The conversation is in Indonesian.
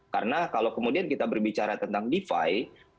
karena kalau kemudian kita berbicara tentang defi